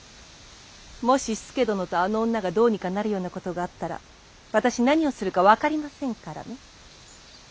もし佐殿とあの女がどうにかなるようなことがあったら私何をするか分かりませんからね。